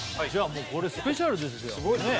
もうこれスペシャルですよね